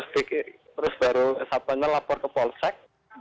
terus baru satpanya lapor ke polsek